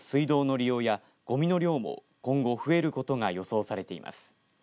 また、工事関係者による水道の利用やごみの量も今後増えることが予想されています。